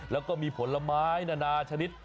แล้วก็มีผลไม้นานาชนิด